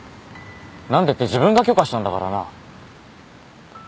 何でって自分が許可したんだからな